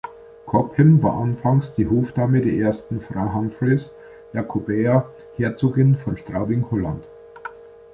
Cobham war anfangs die Hofdame der ersten Frau Humphreys, Jakobäa, Herzogin von Straubing-Holland.